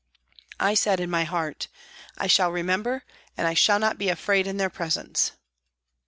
I said in my heart, " I shall remember, and I shall not be afraid in their presence."